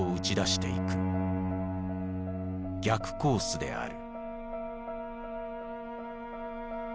「逆コース」である。